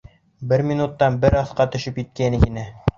Бер минуттан беҙ аҫҡа төшөп еткәйнек инде.